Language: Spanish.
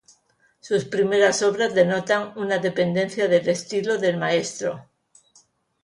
Sus primeras obras denotan una dependencia del estilo del maestro.